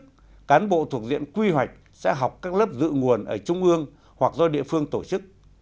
trong hệ thống chính trị cán bộ thuộc diện quy hoạch sẽ học các lớp dự nguồn ở trung ương hoặc do địa phương tổ chức